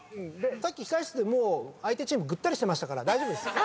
さっき控室でもう相手チームぐったりしてましたから大丈夫です。